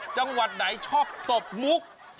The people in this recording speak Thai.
จังหวัดไหนชอบตบมุก